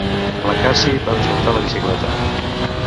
La Cassie va desmuntar la bicicleta.